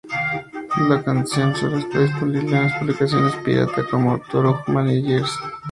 La canción solo está disponible en publicaciones pirata como "Through Many Years".